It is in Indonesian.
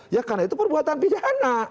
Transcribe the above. ya karena itu perbuatan pidana